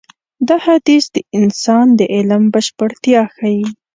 دا حديث د انسان د علم بشپړتيا ښيي.